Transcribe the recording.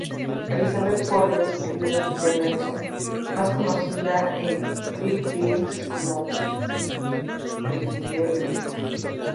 Elizabeth Forbes viuda de Nelson, más conocida en Bluefields como Mrs.